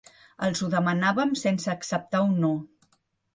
Els ho demanaven sense acceptar un no.